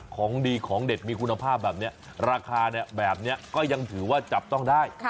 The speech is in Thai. ของดีของเด็ดมีคุณภาพแบบนี้ราคาแบบนี้ก็ยังถือว่าจับต้องได้